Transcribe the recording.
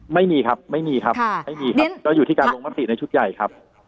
ไม่มีครับไม่มีครับไม่มีครับก็อยู่ที่การลงมติในชุดใหญ่ครับ